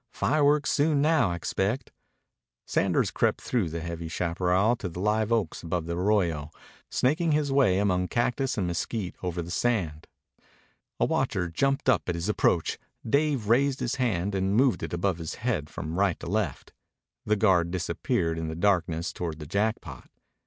"Fireworks soon now, I expect." Sanders crept through the heavy chaparral to the liveoaks above the arroyo, snaking his way among cactus and mesquite over the sand. A watcher jumped up at his approach. Dave raised his hand and moved it above his head from right to left. The guard disappeared in the darkness toward the Jackpot.